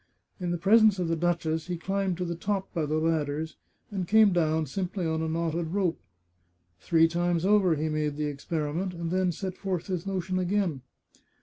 In the presence of the duchess he climbed to the top by the ladders, and came down simply on a knotted rope. Three times over he made the experiment, and then set forth his notion again.